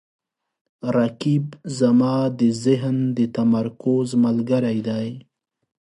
رقیب زما د ذهن د تمرکز ملګری دی